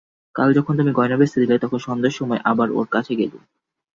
কাল যখন তুমি গয়না বেচতে দিলে তখন সন্ধ্যার সময় আবার ওর কাছে গেলুম।